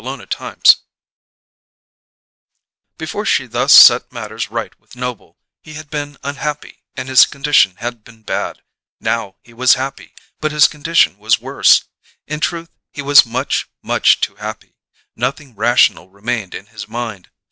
CHAPTER SIX Before she thus set matters right with Noble he had been unhappy and his condition had been bad; now he was happy, but his condition was worse. In truth, he was much, much too happy; nothing rational remained in his mind.